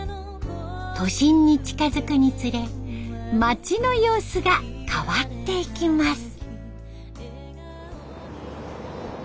都心に近づくにつれ町の様子が変わっていきます。